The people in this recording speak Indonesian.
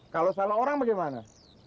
kalau sama orang bagaimana